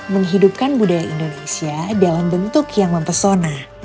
menghidupkan budaya indonesia dalam bentuk yang mempesona